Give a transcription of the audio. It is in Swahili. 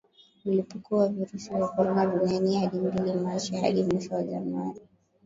Mlipuko wa Virusi vya Corona duniani hadi mbili Machi Hadi mwisho wa Januari